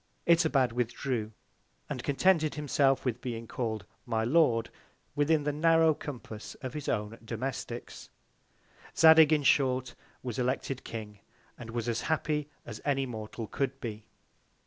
Itobad withdrew, and contented himself with being call'd my Lord within the narrow Compass of his own Domesticks. Zadig, in short, was elected King, and was as happy as any Mortal could be.